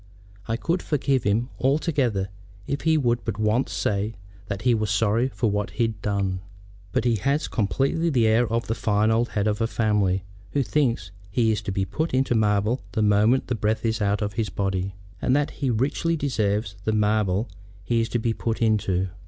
I could forgive him altogether if he would but once say that he was sorry for what he'd done. But he has completely the air of the fine old head of a family who thinks he is to be put into marble the moment the breath is out of his body, and that he richly deserves the marble he is to be put into."